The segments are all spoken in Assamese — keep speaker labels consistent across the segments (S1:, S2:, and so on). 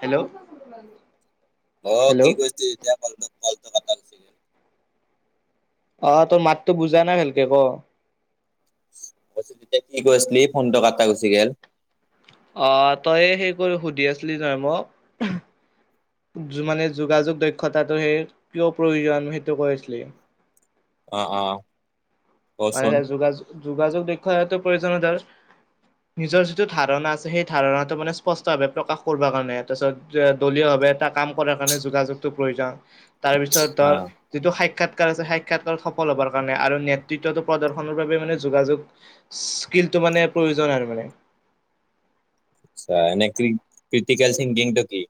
S1: হেল্ল'!
S2: অ'
S1: হেল্ল'
S2: কি কৰিছে [unintelligible]
S1: অ' তোৰ মাতটো বুজা নাই ভালকে ক।
S2: তাৰপিছত তেতিয়া কি কৈ আছিলি? ফোনটো কাট খাই গুচি গেল।
S1: অ' তইয়ে সেই কৰি সুধি আছিলি নহয় মোক। মানে যোগাযোগ দক্ষতাটো সেই কিয় প্ৰয়োজন সেইটো কৈ আছিলি।
S2: অ' অ'।
S1: মানে
S2: কচোন
S1: যোগাযো যোগাযোগ দক্ষতাটো প্ৰয়োজন হয় ধৰ নিজৰ যিটো ধাৰণা আছে সেই ধাৰণাটো মানে স্পষ্টভাৱে প্ৰকাশ কৰবা কাৰণে। তাৰপিছত দলীয়ভাৱে এটা কাম কৰাৰ কাৰণে যোগাযোগটো প্ৰয়োজন। তাৰপিছত
S2: হা
S1: ধৰ, যিটো সাক্ষাৎকাৰ আছে সাক্ষাৎকাৰত সফল হ'বৰ কাৰণে আৰু নেট দ্বিতীয়টো প্ৰদৰ্শনৰ বাবে মানে যোগাযোগ স্কিলটো মানে প্ৰয়োজন আৰু মানে।
S2: ছা, এনে কি ক্ৰিটিকেল চিংগিংটো কি?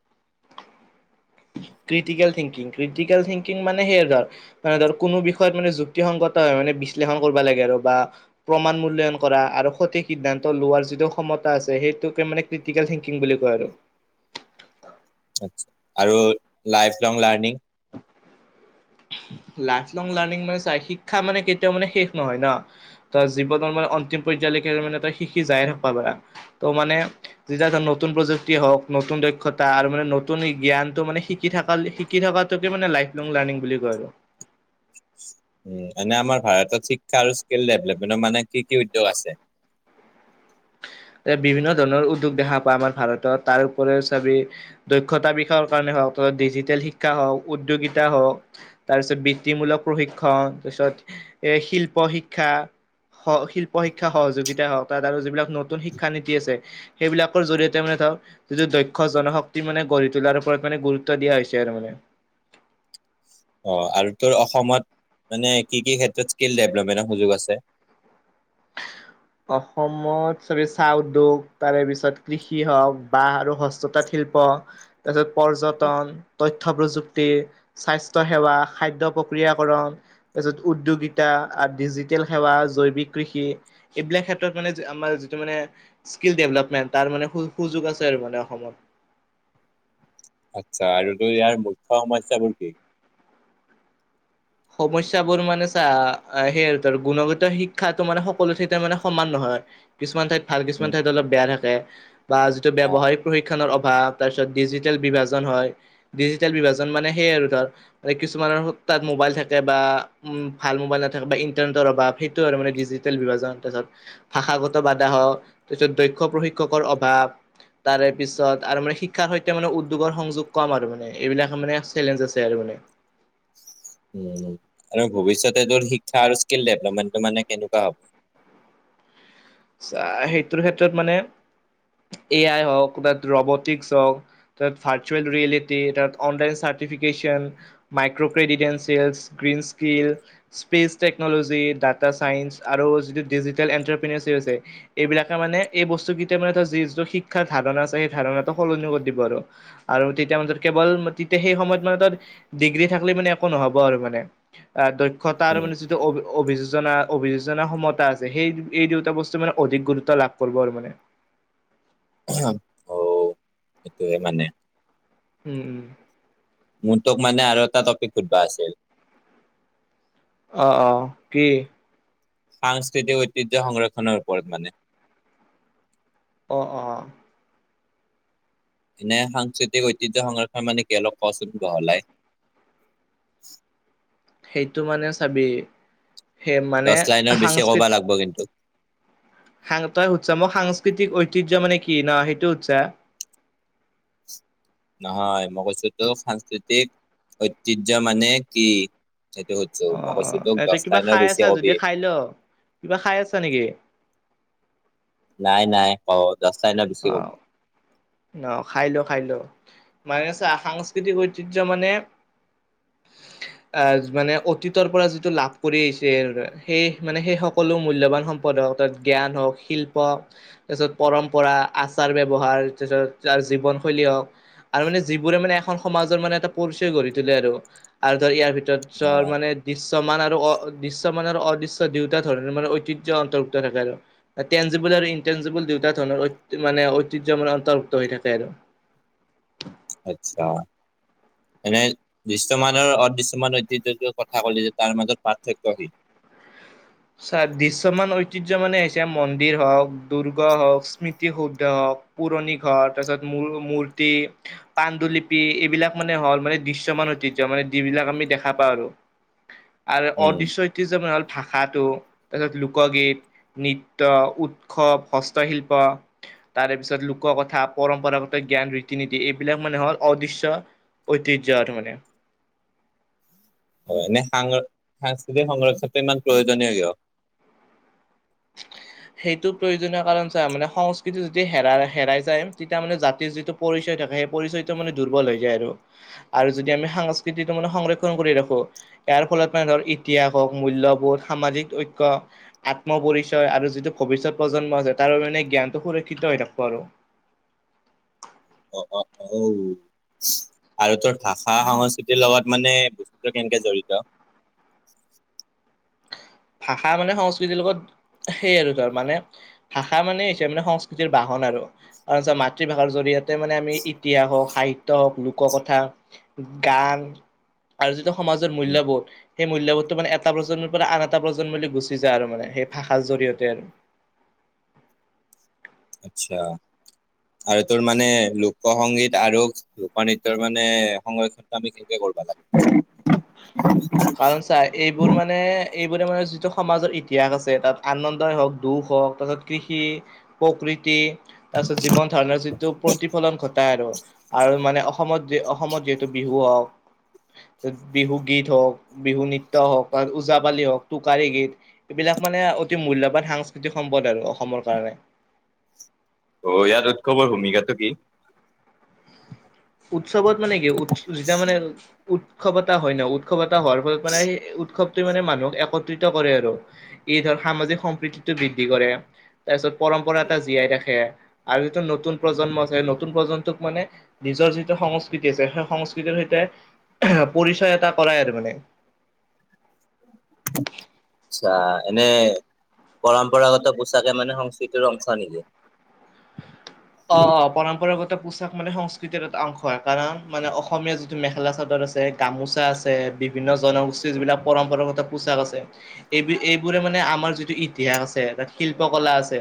S1: ক্ৰিটিকেল থিংকিং, ক্ৰিটিকেল থিংকিং মানে সেইয়ে ধৰ- মানে ধৰ, কোনো বিষয়ত মানে যুক্তিসংগতা হয় মানে বিশ্লেষণ কৰিব লাগে আৰু বা- প্ৰমাণ মূল্যয়ন কৰা আৰু সঠিক সিদ্ধান্ত লোৱাৰ যিটো ক্ষমতা আছে সেইটোকে মানে- ক্ৰিটিকেল থিংকিং বুলি কয় আৰু।
S2: আৎচ্ছা আৰু life long learning.
S1: Life long learning মানে চা শিক্ষা মানে কেতিয়াও মানে শেষ নহয় ন। তই জীৱনৰ মানে অন্তিম পৰ্য্যায়লৈকে মানে তাই শিখি যায়ে থাকবা পাৰা। ত' মানে- যেতিয়া ধ নতুন প্ৰযুক্তি হওক, নতুন দক্ষতা আৰু মানে নতুন জ্ঞানটো মানে শিকি থাকালি শি- কি থকাটোকে মানে লাইফ লং লাৰ্ণিং বুলি কয় আৰু।
S2: উম, মানে আমাৰ ভাৰতত শিক্ষা আৰু স্কিল ডেভেলপমেণ্টৰ মানে কি কি উদ্যোগ আছে?
S1: এ বিভিন্ন ধৰণৰ উদ্যোগ দেখা পায় আমাৰ ভাৰতত তাৰ উপৰিও চাবি- দক্ষতা বিকাশৰ কাৰণে হওক, ত' ডিজিটেল শিক্ষা হওক উদ্যোগিতা হওক- তাৰপিছত বৃত্তিমূলক প্ৰশিক্ষণ, তাৰপিছত এ শিল্প শিক্ষা- স শিল্প শিক্ষা সহযোগিতা হক তাত আৰু যিবিলাক নতুন শিক্ষা নীতি আছে- সেইবিলাকৰ জৰিয়তে মানে ধৰক- যিটো দক্ষ জনশক্তি মানে গঢ়ি তোলাৰ ওপৰত মানে গুৰুত্ব দিয়া হৈছে আৰু মানে।
S2: অঁ' আৰু তোৰ অসমত মানে কি কি ক্ষেত্ৰত স্কিল ডেভেলপমেণ্টৰ সুযোগ আছে?
S1: অসমত চবেই চাহ উদ্যোগ তাৰেপিছত কৃষি হওক, বাঁহ আৰু হস্ততাঁত শিল্প- তাৰপিছত পৰ্যটন, তথ্য প্ৰযুক্তি- স্বাস্থ্য সেৱা, খাদ্য প্ৰক্ৰিয়াকৰণ- তাৰপিছত উদ্যোগিতা আৰু ডিজিটেল সেৱা জৈৱিক- কৃষি, এইবিলাক ক্ষেত্ৰত মানে আমাৰ যিটো মানে- স্কিল ডেভেলপমেণ্ট তাৰ মানে সুযোগ আছে আৰু মানে অসমত।
S2: আৎচ্ছা আৰু তোৰ ইয়াৰ মুখ্য সমস্যাবোৰ কি?
S1: সমস্যাবোৰ মানে চা, সেই আৰু ধৰ গুণগত শিক্ষাটো মানে সকলো ঠাইতে মানে সমান নহয়। কিছুমান ঠাইত ভাল কিছুমান
S2: উম,
S1: ঠাইত অলপ বেয়া থাকে বা যিটো
S2: অ',
S1: ব্যবহায়- প্ৰশিক্ষণৰ অভাৱ তাৰ পিছত ডিজিটেল বিভাজন হয়। ডিজিটেল বিভাজন মানে সেই আৰু ধৰ, কিছুমানৰ তাত মোবাইল থা- কে বা উম, ভাল মোবাইল নাথাকে বা ইন্টাৰনেটৰ অভাৱ সেইটো আৰু মানে ডিজিটেল বিভাজন। তাৰপিছত- ভাষাগত বাধা হওক, তাৰপিছত দক্ষ প্ৰশিক্ষকৰ অভাৱ- তাৰে পিছত আৰু মানে শিক্ষাৰ সৈতে মানে উদ্যোগৰ সংযোগ কম আৰু মানে, এইবিলাক মানে চেলেঞ্জ আছে আৰু মানে।
S2: উম উম' আৰু ভৱিষ্যতে তোৰ শিক্ষা আৰু স্কিল ডেভলপমেণ্টটো মানে কেনেকুৱা হ'ব?
S1: চা, সেইটোৰ ক্ষেত্ৰত মানে এ আই হওক বা ৰবটিকচ হওক- তাত ভাাৰচুৱেল ৰিয়েলিটি তাত online certification- micro credentials, green skill- space technology data science আৰু যিটো ডিজিটেল এণ্টাৰপ্ৰিনেছে আছে- এইবিলাকে মানে এই বস্তুকেইটা মানে যিটো শিক্ষাৰ ধাৰণা আছে, সেই ধাৰণাটো সলনি কৰি দিব আৰু। আৰু তেতিয়া মানে কেৱল তেতিয়া সেই সময়ত মানে তৰ ডিগ্ৰী থাকিলে মানে একো নহব আৰু মানে। আ দক্ষতাৰ
S2: উম।
S1: মানে যিটো অ অভিযোজনা, অভিযোজনা সমতা আছে সেই এই দু- টা বস্তু মানে অধিক গুৰুত্ব লাভ কৰিব আৰু মানে।
S2: অও' সেইটোৱে মানে।
S1: উম উম'
S2: মোৰ তোক মানে আৰু এটা টপিক সুধবা আছিল।
S1: অ অ কি
S2: সাংস্কৃতিক ঐতিহ্য সংৰক্ষণৰ ওপৰত মানে
S1: অ অ অ
S2: এনে সাংস্কৃতিক ঐতিহ্য সংৰক্ষণ মানে কি অলপ কচোন বহলাই
S1: সেইটো মানে চাবি সেই মানে
S2: দহ লাইনৰ বেছি
S1: সাংস্কৃত
S2: ক'বা লাগব কিন্তু
S1: সাং তই শুধছা মোক সাংস্কৃতিক ঐতিহ্য মানে কি ন সেইটো হোদছা
S2: নহয় মই কৈছো তোৰ সাংস্কৃতিক ঐতিহ্য মানে কি সেইটো
S1: অ
S2: মই
S1: অ
S2: কৈছো তোক দহ
S1: এটো কিবা
S2: লাইনৰ
S1: খাই
S2: বেছি
S1: আছা
S2: কবি।
S1: যদি খাই ল কিবা খাই আছা নিকি
S2: নাই নাই খঅ জাষ্ট [unintelligible] ব গ'ল
S1: অ', ন খাই লও খাই লও মানে চা সাংস্কৃতিক ঐতিহ্য মানে
S2: [inaudible]
S1: আহ মানে অতীতৰ পৰা যিটো লাভ কৰি আহিছে সেই মানে সেই সকলো মূল্যবান সম্প সম্পদ হওক ত জ্ঞান হওক শিল্প পিছত পৰম্পৰা আচাৰ ব্যৱহাৰ তাৰপিছত তাৰ জীৱনশৈলী হওক আৰু মানে যিবোৰে মানে এখন সমাজৰ মানে এটা পৰিচয় গঢ়ি তোলে আৰু আৰু ধৰ ইয়াৰ ভিত চৰ
S2: অ',
S1: মানে দৃশ্যমান আৰু অ দৃশ্যমান আৰু অদৃশ্য দুয়োটা ধৰণৰ মানে ঐতিহ্য অন্তৰ্ভুক্ত থাকে আৰু টেনজিবল আৰু ইনটেনজিবল দুয়োটা ধৰণৰ ঐত মানে ঐতিহ্য মান অন্তৰ্ভুক্ত হৈ থাকে আৰু
S2: আচ্ছা এনে দৃশ্যমান আৰু অদৃশ্যমান ঐতিহ্যটো কথা ক'লি যে তাৰ মাজত পাৰ্থক্য কি
S1: চা দৃশ্যমান ঐতিহ্য মানে হৈছে মন্দিৰ হওঁক দূৰ্গ হওক স্মৃতি শুদ্ধ হওক পুৰণি ঘৰ তাৰপিছত মূৰ মূৰ্তি পাণ্ডুলিপি এইবিলাক মানে হ'ল মানে দৃশ্যমান ঐতিহ্য মানে যিবিলাক আমি দেখা পাওঁ আৰু
S2: [inaudible]
S1: আৰু অদৃশ্য ঐতিহ্য হল ভা ভাষাটো তাৰপিছত লোকগীত নৃত্য উৎসৱ হস্তশিল্প তাৰে পিছত লোক কথা পৰম্পৰাগত জ্ঞান ৰীতি নীতি এইবিলাক মানে হল অদৃশ্য ঐতিহ্য আৰু মানে
S2: অ এনে সাংস্--সাংস্কৃতিক সংৰক্ষণটো ইমান প্ৰয়োজনীয় কিয় [unintelligible]
S1: সেইটো প্ৰয়োজনীয় কাৰণ চা মানে সংস্কৃতি যদি হেৰা হেৰাই যায় তেতিয়া মানে জাতিৰ যিটো পৰিচয় থাকে সেই পৰিচয়টো মানে দুৰ্বল হৈ যায় আৰু আৰু যদি আমি সাংস্কৃতিটো মানে সংৰক্ষণ কৰি ৰাখো ইয়াৰ ফলত মানে ধৰ ইতিহাস হওক মূল্যবোধ সামাজিক ঐক্য আত্ম পৰিচয় আৰু যিটো ভৱিষ্যত প্ৰজন্ম আছে তাৰো মানে জ্ঞানটো সুৰক্ষিত হৈ থাক ব আৰু
S2: অ অ অউ আৰু তোৰ ভাষা সংস্কৃতিৰ লগত মানে [unintelligible] টো কেনেকে জড়িত
S1: ভাষা মানে সংস্কৃতিৰ লগত সেই আৰু ধৰ মানে ভাষা মানে [unintelligible] সংস্কৃতিৰ বাহন আৰু তাৰ মাতৃভাষাৰ জৰি়য়তে মানে আমি ইতিহাস হওক সাহিত্য হওক লোক কথা গান আৰু যিটো সমাজৰ
S2: উম
S1: মূল্যবোধ সেই মূল্যবোধটো মানে এটা প্ৰজন্মৰ পৰা আন এটা এটা প্ৰজন্মলে বুলি গুচি যায় আৰু মানে সেই ভাষাৰ জৰিয়তে আৰু
S2: আচ্ছা আৰু তোৰ মানে লোক সংগীত আৰু লোক নৃত্যৰ মানে সংৰক্ষণটো আমি কেনেকে কৰবা লাগে
S1: [unintelligible] চা এইবোৰ মানে এইবোৰে মানে যিটো সমাজৰ ইতিহাস আছে তাত আনন্দই হওক দুখ হওক তাৰপিছত কৃষি প্ৰকৃতি তাৰ পিছত জীৱন ধাৰণৰ যিটো প্ৰতি প্ৰতিফলন ঘটাই আৰু আৰু মানে অসমত অসমত যিহেতু বিহু হওক বিহু গীত হওক বিহু নৃত্য হওক ওজাপালি হওক টোকাৰী গীত এইবিলাক মানে অতি মূল্যবান সাংস্কৃতিক সম্পদ আৰু অসমৰ কাৰণে
S2: অ ইয়াত উৎসৱৰ ভূমিকাটো কি
S1: উৎসৱত মানে কি উৎ যেতিয়া মানে উৎসৱ এটা হয় ন উৎ উৎসৱ এটা হোৱাৰ ফলত মানে সেই উৎসৱ টোৱে মানে মানুহক একত্ৰিত কৰে আৰু ই ধৰ সামাজিক সম্প্ৰীতিটো বৃদ্ধি কৰে তাৰপিছত পৰম্পৰা এটা জীয়াই ৰাখে আৰু যিটো নতুন প্ৰজন্ম আছে নতুন প্ৰজন্মটোক মানে নিজৰ যিটো সংস্কৃতি আছে সেই সংস্কৃতিৰ সৈতে পৰিচয় এটা কৰাই আৰু মানে
S2: [unintelligible] আচ্ছা এনে পৰম্পৰাগত পোচাকে মানে সংস্কৃতিৰ অংশ নিদিয়ে
S1: অ অ পৰম্পৰাগত এটা পোচাক মানে সংস্কৃতিৰ এটা অংশ হয় কাৰণ মানে অসমীয়া যিটো মেখেলা চাদৰ আছে গামোচা আছে বিভিন্ন জনগোষ্ঠীৰ যিবিলাক পৰম্পৰাগত পোচাক আছে এই এইবোৰে মানে আমাৰ যিটো ইতিহাস আছে তাত শিল্পকলা আছে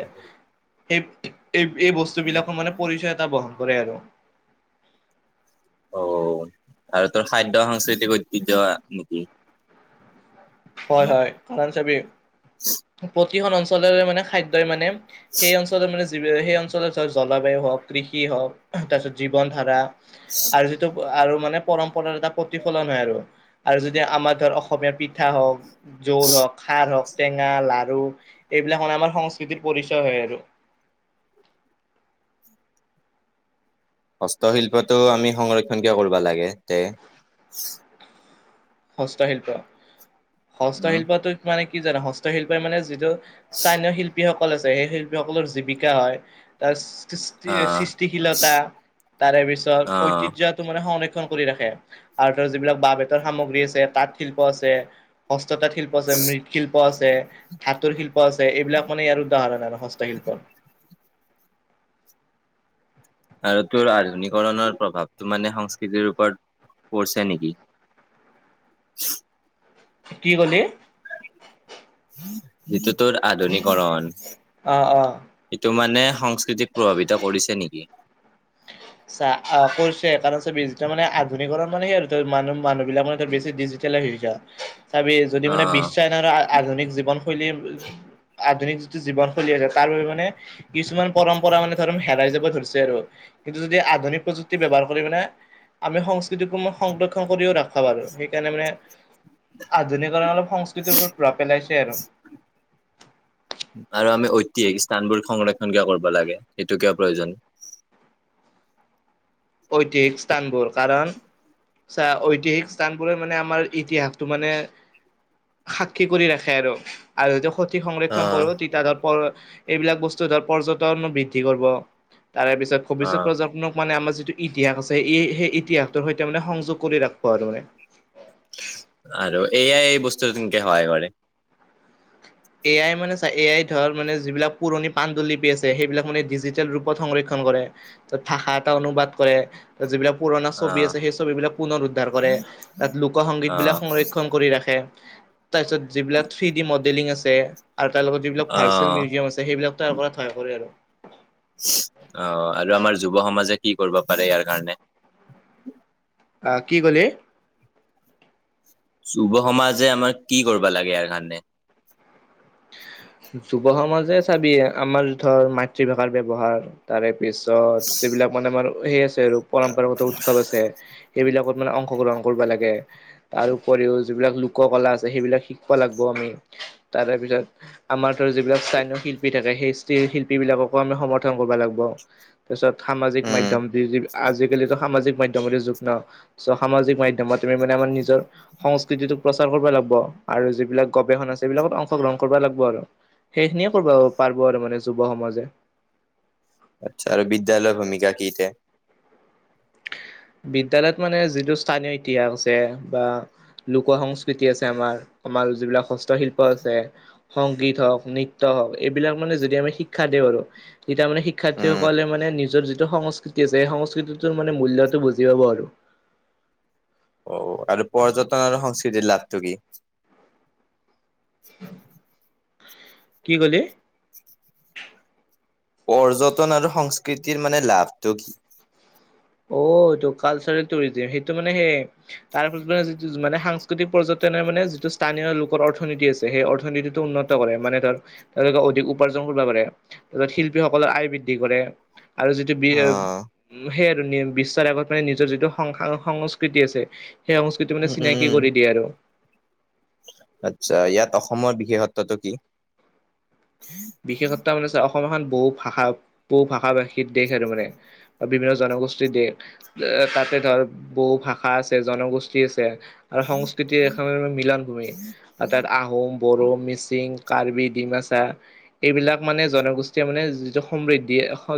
S1: সেই এই এই বস্তু বিলাকৰ মানে পৰিচয় এটা বহন কৰে আৰু
S2: অ আৰু তোৰ খাদ্য সাংস্কৃতিক ঐতিহ্য নেকি
S1: হয় হয় কাৰণ চাবি প্ৰতিখন অঞ্চলেৰে মানে খাদ্যই মানে সেই অঞ্চলটোত মানে সেই অঞ্চলত হক জলবায়ু হওক কৃষি হওক তাৰপিছত জীৱন ধাৰা
S2: [unintelligible]
S1: আৰু যিটো আৰু মানে পৰম্পৰাৰ এটা প্ৰতিফলন হয় আৰু আৰু যদি আমাৰ ধৰ অসমীয়া পিঠা পিঠা হওক জোল হওক খাৰ হওক টেঙা লাৰু এইবিলাক মানে আমাৰ সংস্কৃতিৰ পৰিচয় হয় আৰু
S2: হস্তশিল্পটো আমি সংৰক্ষন কিয় কৰিব লাগে ইয়াতে
S1: হস্তশিল্প
S2: উম
S1: হস্তশিল্পটো মানে কি জানা হস্তশিল্পই মানে যিটো স্থানীয় শিল্পীসকল আছে সেই শিল্পীসকলৰ জীৱিকা হয় তাৰ সৃ সৃষ্টি
S2: আহ
S1: সৃষ্টিশীলতা তাৰে পিছত
S2: আহ
S1: ঐতিহ্যত মানে সংৰক্ষণ কৰি ৰাখে আৰু ধৰ যিবিলাক বাঁহ বেতৰ সামগ্ৰী আছে তাঁত শিল্প আছে হস্ততাঁত শিল্প আছে মৃদ শিল্প আছে ধাতুৰ শিল্প আছে এইবিলাক মানে আৰু দাহৰণ আৰু হস্ত শিল্পৰ
S2: আৰু তোৰ আধুনিকৰণৰ প্ৰভাৱটো মানে সংস্কৃতিৰ ওপৰত পৰিছে নেকি [unintelligible]
S1: কি ক'লি
S2: এইটো তোৰ আধুনিকৰন
S1: অ অ
S2: সেইটো মানে সংস্কৃতিক প্ৰভাৱিত কৰিছে নেকি
S1: চা আ কৰিছে কাৰণ চাবি মানে আধুনিককৰণ মানে সেই আৰু মানু মানুহবিলাক মানে বেছি ডিজিতেল হৈছে আৰু চাবি যদি মানে
S2: অ'
S1: বিশ্বই না না আধুনিক জীৱনশৈলী আধুনিক যিটো জীৱনশৈলী আছে তাৰ বাবে মানে কিছুমান পৰম্পৰা মানে ধৰ হেৰাই যাব ধৰিছে আৰু কিন্তু যদি আধুনিক প্ৰযুক্তি ব্যৱাৰ কৰি মানে আমি সংস্কৃতিকো সংৰক্ষণ কৰিও ৰাখিব পাৰো সেইকাৰণে মানে আধুনিকৰণে অলপ সংস্কৃতিৰ ওপৰত প্ৰভাৱ পেলাইছে আৰু
S2: [inaudible] আৰু আমি ঐতিহাসিক স্থানবোৰ সংৰক্ষন কিয় কৰিব লাগে, সেইটো কিয় প্ৰয়োজন?
S1: ঐতিহাসিক স্থানবোৰ কাৰণ চা ঐতিহাসিক স্থান বোৰে মানে আমাৰ ইতিহাসটো মানে সাক্ষী কৰি ৰাখে আৰু, আৰু এইটো সতি সংৰক্ষণ
S2: অ'
S1: কৰিব তেতিয়া ধৰ পৰ এইবিলাক বস্তু ধৰ পৰ্যটন বৃদ্ধি কৰিব, তাৰে পিছত ভৱিষ্যত
S2: অ'
S1: পৰ্যটনক মানে আমাৰ যিটো ইতিহাস আছে এই সেই ইতিহাসটোৰ সৈতে মানে সংযোগ কৰি ৰাখিব আৰু মানে
S2: আৰু এইয়াই এই বস্তু [unintelligible] সহায় কৰে।
S1: এ আই মানে চা এ আই ধৰ মানে যিবিলাক পুৰণি পাণ্ডুলিপি আছে সেইবিলাক মানে ডিজিটেল ৰূপত সংৰক্ষণ কৰে ভাষা এটা অনুবাদ কৰে যিবিলাক পুৰণা ছবি
S2: অ'
S1: আছে সেই ছবি বিলাক পুনৰ উদ্ধাৰ কৰে, তাত লোক সংগীত বিলাক
S2: অ'
S1: সংৰক্ষণ কৰি ৰাখে, তাৰপিছত যিবিলাক [unintelligible] লিং আছে। আৰু তাৰ লগত যিবিলাক ভাৰ্চুৱেল
S2: অ'
S1: মিউজিয়াম আছে, সেইবিলাক তাৰ কৰাত সহায় কৰে আৰু
S2: অ' আৰু আমাৰ যুব সমাজে কি কৰিব পাৰে ইয়াৰ কাৰণে?
S1: আ' কি ক'লি?
S2: যুব সমাজে আমাৰ কি কৰিবা লাগে ইয়াৰ কাৰণে?
S1: যুৱ সমাজে চাবি, আমাৰ ধৰ মাতৃভাষাৰ ব্যৱহাৰ তাৰে পিছত যিবিলাক মানে আমাৰ সেই আছে আৰু পৰম্পৰাগত উৎসৱ আছে, সেইবিলাকত মানে অংশগ্ৰহণ কৰিব লাগে, তাৰ উপৰিও যিবিলাক লোকক'লা আছে সেইবিলাক শিকিব লাগিব আমি, তাৰপিছত আমাৰ ধৰ যিবিলাক স্থানীয় শিল্পী থাকে, সেই স্থিৰ শিল্পী বিলাককো আমি সমৰ্থন কৰিব লাগিব তাৰপিছত সামাজিক
S2: উম,
S1: মাধ্যম [unintelligible] আজিকালিতো সামাজিক মাধ্যমৰে যুগ ন? চ' সামাজিক মাধ্যমত তুমি মানে আমাৰ নিজৰ সংস্কৃতিটোক প্ৰচাৰ কৰিবই লাগিব আৰু যিবিলাক গৱেষণা আছে এইবিলাকত অংশ গ্ৰহণ কৰিব লাগিব আৰু, সেইখিনিয়ে কৰিব পাৰিব আৰু মানে যুৱ সমাজে
S2: আচ্ছা আৰু বিদ্যালয়ৰ ভূমিকা কি এতিয়া?
S1: বিদ্য়ালয়ত মানে যিটো স্থানীয় ইতিহাস আছে বা লোক সংস্কৃতি আছে আমাৰ, আমাৰ যিবিলাক হস্তশিল্প আছে সংগীত হওক নৃত্য হওক এইবিলাক মানে যদি আমি শিক্ষা দিওঁ আৰু তেতিয়া মানে
S2: উম,
S1: শিক্ষাৰ্থীসকলে মানে নিজৰ যিটো সংস্কৃতি আছে, সেই সংস্কৃতিটোৰ মানে মূল্যটো বুজি পাব আৰু
S2: অ' আৰু পৰ্যটন আৰু সংস্কৃতিৰ লাভটো কি?
S1: কি ক'লি?
S2: পৰ্যটন আৰু সংস্কৃতিৰ মানে লাভটো কি?
S1: অ' এইটো কালচাৰেল টুৰিজিম সেইটো মানে শেষ তাৰ পিছতে আজি মানে সাংস্কৃতিক পৰ্যটনে মানে যিটো স্থানীয় লোকৰ অৰ্থনীতি আছে, সেই অৰ্থনীতিটো উন্নত কৰে। মানে ধৰ তেওঁলোকে অধিক উপাৰ্জন কৰিব পাৰে, তাৰপিছত শিল্পীসকলৰ আয় বৃদ্ধি কৰে। আৰু যিটো বি
S2: অ',
S1: [unintelligible] আৰু নি বিশ্বৰ আগত মানে নিজৰ যিটো সং, সংস্কৃতি আছে, সেই সংস্কৃতি সেইটো
S2: উম,
S1: মানে
S2: উম,
S1: চিনাকি
S2: উম,
S1: কৰি দিয়ে আৰু
S2: আচ্ছা, ইয়াত অসমৰ বিশেষত্বটো কি?
S1: বিশেষত্বা মানে অসম এখন বহু ভাষা, বহু ভাষা ভাষীৰ দেশ আৰু মানে বা বিভিন্ন জনগোষ্ঠীৰ দেশ। এ' তাতে ধৰ বহু ভাষা আছে, ‌ জনগোষ্ঠী আছে আৰু সংস্কৃতিৰ এখন‌ আৰু মিলন ভূমি অৰ্থাৎ আহোম, বড়ো, মিচিং, কাৰ্বি, ডিমাছা, এইবিলাক মানে জনগোষ্ঠীয় মানে যিটো সমৃদ্ধি এখন